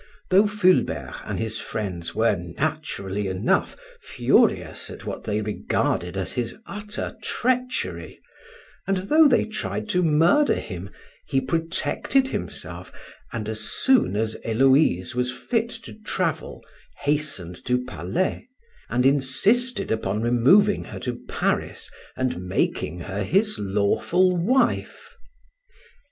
Though Fulbert and his friends were, naturally enough, furious at what they regarded as his utter treachery, and though they tried to murder him, he protected himself, and as soon as Héloïse was fit to travel, hastened to Palais, and insisted upon removing her to Paris and making her his lawful wife.